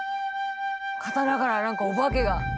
刀から何かお化けが。